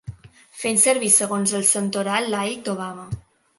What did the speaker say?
Fent servir segons el santoral laic d'Obama.